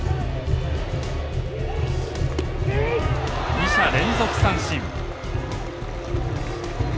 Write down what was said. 二者連続三振。